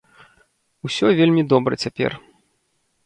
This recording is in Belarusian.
Усё вельмі добра цяпер.